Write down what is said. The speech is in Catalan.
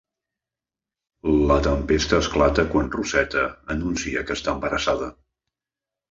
La tempesta esclata quan Roseta anuncia que està embarassada.